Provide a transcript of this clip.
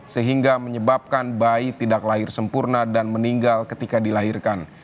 sehingga menyebabkan bayi tidak lahir sempurna dan meninggal ketika dilahirkan